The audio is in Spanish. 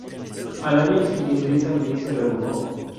Al año siguiente esa ley se revocó.